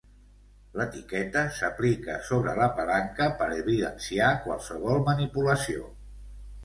L'etiqueta s'aplica sobre la palanca per evidenciar qualsevol manipulació.